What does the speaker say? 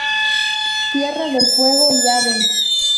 Tierra del Fuego y Av.